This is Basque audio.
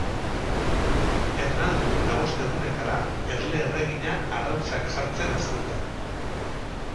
Ernaldu eta bost egunetara erle erregina arrautzak jartzen hasten da.